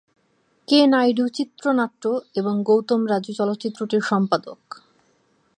কে নাইডু চিত্রনাট্য এবং গৌতম রাজু চলচ্চিত্রটির সম্পাদক।